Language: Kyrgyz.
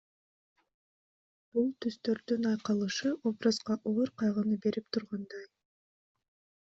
Бул түстөрдүн айкалышы образга оор кайгыны берип тургандай.